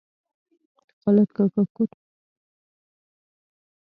د خالد کاکا کور په کرونده کې ودان دی.